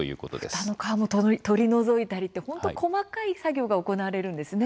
豚の革も取り除いたり本当細かい作業が行われるんですね。